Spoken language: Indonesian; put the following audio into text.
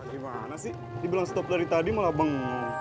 gimana sih dibilang stop dari tadi malah bengo